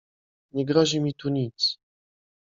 Nie grozi mi tu nic.